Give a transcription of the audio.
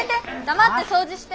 黙って掃除して。